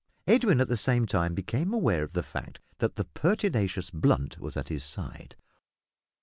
Edwin at the same time became aware of the fact that the pertinacious Blunt was at his side.